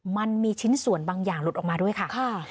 มันมีชิ้นส่วนบางอย่างหลุดออกมาด้วยค่ะ